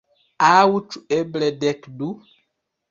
Aŭ ĉu eble dekdu?